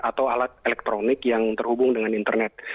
atau alat elektronik yang terhubung dengan internet